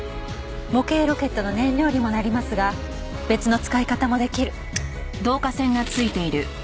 模型ロケットの燃料にもなりますが別の使い方も出来る。